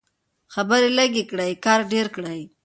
خبرې لږې کړئ کار ډېر کړئ.